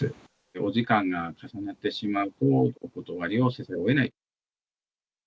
お時間が重なってしまうと、お断りをせざるをえない。